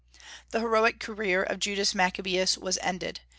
The heroic career of Judas Maccabaeus was ended.